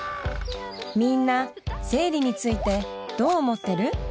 みんな生理についてどう思ってる？